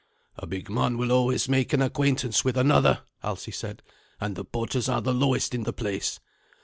"A big man will always make an acquaintance with another," Alsi said, "and the porters are the lowest in the place.